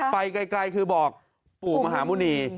ไปไกลคือบอกปู่มหาหมุณี